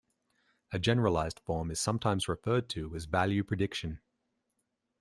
A generalized form is sometimes referred to as value prediction.